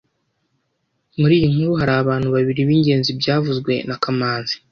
Muri iyi nkuru hari abantu babiri b'ingenzi byavuzwe na kamanzi